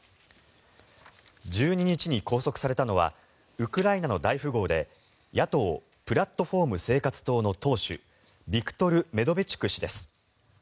１２日に拘束されたのはウクライナの大富豪で野党プラットフォーム―生活党の党首ビクトル・メドベチュク氏です。